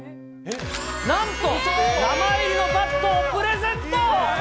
なんと、名前入りのバットをプレゼント。